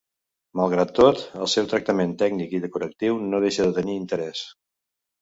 Malgrat tot, el seu tractament tècnic i decoratiu no deixa de tenir interès.